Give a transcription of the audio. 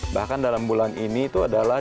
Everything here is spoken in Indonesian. bahkan dalam bulan ini itu adalah